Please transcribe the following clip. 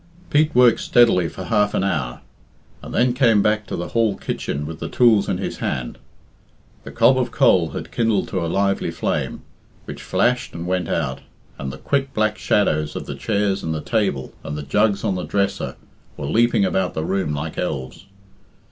Pete worked steadily for half an hour, and then came back to the hall kitchen with his tools in his hands. The cob of coal had kindled to a lively flame, which flashed and went out, and the quick black shadows of the chairs and the table and the jugs on the dresser were leaping about the room like elves.